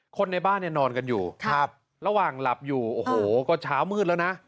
คนในบ้านเนี่ยนอนกันอยู่ครับระหว่างหลับอยู่โอ้โหก็เช้ามืดแล้วนะ